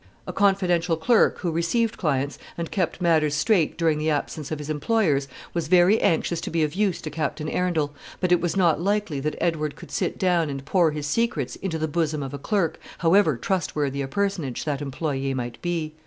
A confidential clerk, who received clients, and kept matters straight during the absence of his employers, was very anxious to be of use to Captain Arundel: but it was not likely that Edward could sit down and pour his secrets into the bosom of a clerk, however trustworthy a personage that employé might be.